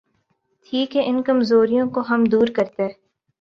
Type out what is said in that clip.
تھی کہ ان کمزوریوں کو ہم دور کرتے۔